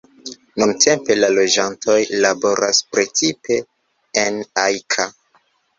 Nuntempe la loĝantoj laboras precipe en Ajka.